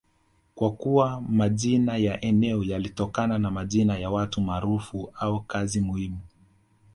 kwa kuwa majina ya eneo yalitokana na majina ya watu maarufu au kazi muhimu